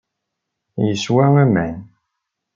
Yeswa aman.